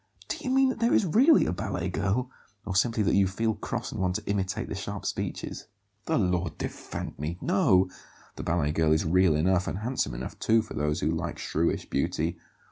"Do you mean that there is really a ballet girl, or simply that you feel cross and want to imitate the sharp speeches?" "The Lord defend me! No; the ballet girl is real enough and handsome enough, too, for those who like shrewish beauty.